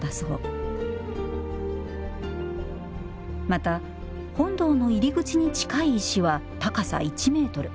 また本堂の入り口に近い石は高さ１メートル。